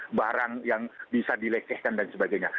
bukan sebagai barang yang bisa dilecehkan dan sebagainya